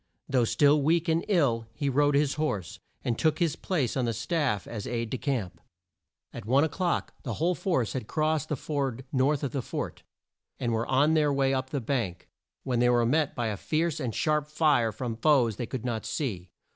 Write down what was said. Though still weak and ill, he rode his horse, and took his place on the staff as aide de camp. At one o'clock the whole force had crossed the ford north of the fort, and were on their way up the bank, when they were met by a fierce and sharp fire from foes they could not see.